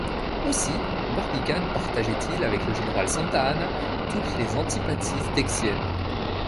Aussi, Barbicane partageait-il avec le général Santa-Anna toutes les antipathies texiennes.